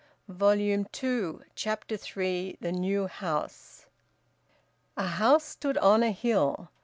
VOLUME TWO, CHAPTER THREE. THE NEW HOUSE. A house stood on a hill.